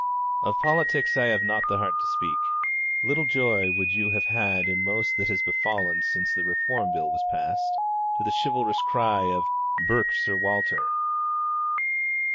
Of politics I have not the heart to speak. Little joy would you have had in most that has befallen since the Reform Bill was passed, to the chivalrous cry of 'burke Sir Walter.'